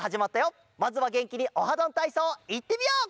まずはげんきに「オハどんたいそう」いってみよう！